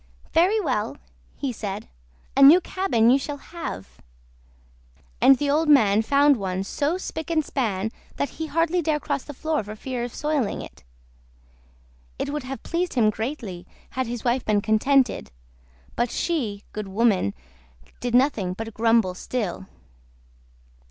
"Very well," he said, "a new cabin you shall have." And the old mart found one so spick and span that he hardly dare cross the floor for fear of soiling it. It would have pleased him greatly had his wife been contented, but she, good woman, did nothing but grumble still.